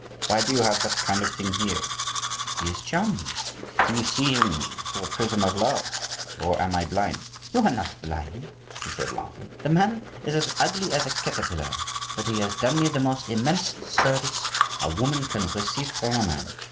Why do you have that kind of thing here?" "He is charming." "Do you see him through a prism of love, or am I blind?" "You are not blind," she said, laughing. "The man is as ugly as a caterpillar; but he has done me the most immense service a woman can receive from a man."